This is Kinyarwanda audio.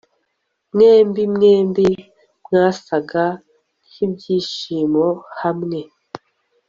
Mwembi mwembi mwasaga nkibyishimo hamwe